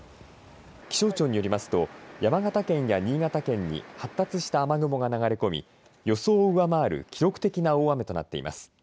気象庁によりますと山形県や新潟県に発達した雨雲が流れ込み予想を上回る記録的な大雨となっています。